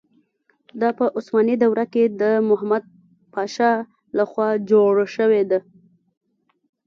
دا په عثماني دوره کې د محمد پاشا له خوا جوړه شوې ده.